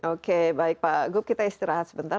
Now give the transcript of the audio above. oke baik pak gup kita istirahat sebentar